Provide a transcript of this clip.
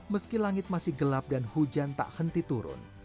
meski langit masih gelap dan hujan tak henti turun